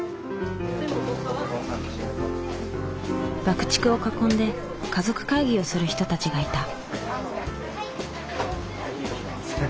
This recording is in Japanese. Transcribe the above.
爆竹を囲んで家族会議をする人たちがいた。